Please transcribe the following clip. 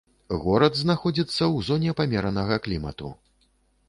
Горад знаходзіцца ў зоне памеранага клімату.